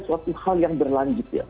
suatu hal yang berlanjut